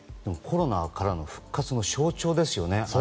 コロナからの復活の象徴ですよね。